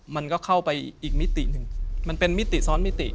มันก็เข้าไปอีกมิติหนึ่งมันเป็นมิติซ้อนมิติ